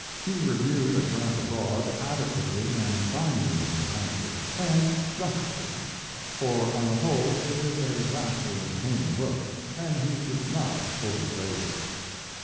He reviewed 'A Tramp Abroad' adequately and finely in the Atlantic, and justly; for on the whole it is a vastly entertaining book, and he did not overpraise it.